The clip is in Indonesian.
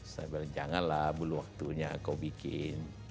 saya bilang janganlah belum waktunya kau bikin